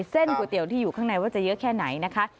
ก๋วยเตี๋ยวที่อยู่ข้างในว่าจะเยอะแค่ไหนนะคะ